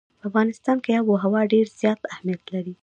په افغانستان کې آب وهوا ډېر زیات اهمیت لري.